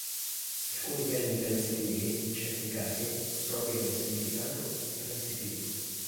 Alcuni verbi transitivi, in certi casi, possono avere un significato intransitivo.